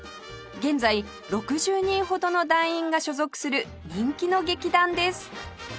現在６０人ほどの団員が所属する人気の劇団です